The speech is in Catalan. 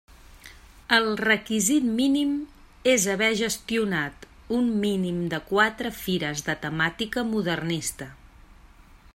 El requisit mínim és haver gestionat un mínim de quatre fires de temàtica modernista.